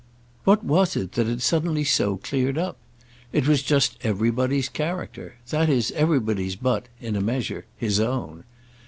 What was it that had suddenly so cleared up? It was just everybody's character; that is everybody's but—in a measure—his own.